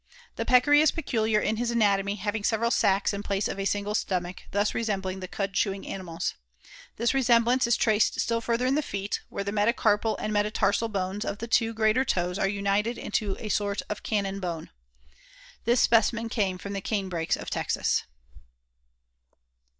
The Peccary is peculiar in his anatomy, having several sacs in place of a single stomach, thus resembling the cud chewing animals. This resemblance is traced still further in the feet, where the metacarpal and metatarsal bones of the two greater toes are united into a sort of cannon bone. This specimen came from the canebrakes of Texas.